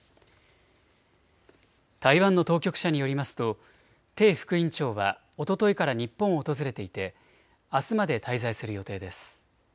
台湾の当局者によりますと鄭副院長はおとといから日本を訪れていてあすまで滞在する予定です。